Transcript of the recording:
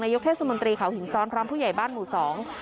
ยกเทศมนตรีเขาหินซ้อนพร้อมผู้ใหญ่บ้านหมู่สอง